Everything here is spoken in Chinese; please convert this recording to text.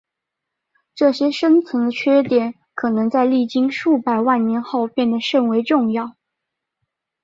这些深层的缺点可能在经历数百万年后变得甚为重要。